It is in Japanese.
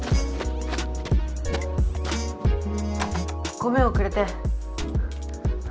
ごめんおくれて。